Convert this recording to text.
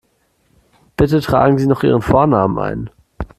Bitte tragen Sie noch Ihren Vornamen ein.